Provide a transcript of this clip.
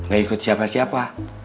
gak ikut siapa siapa